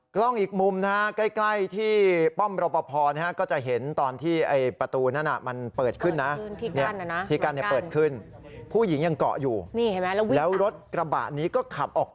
กล้องอีกมุมนะฮะ